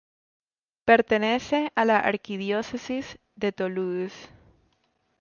Pertenece a la Arquidiócesis de Toulouse.